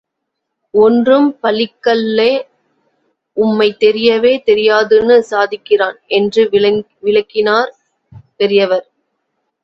ஒன்றும் பலிக்கல்லே உம்மைத் தெரியவே தெரியாதுன்னு சாதிக்கிறான் என்று விளக்கினார் பெரியவர்.